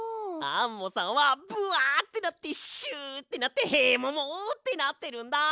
アンモさんはブワってなってシュってなってヘモモってなってるんだ！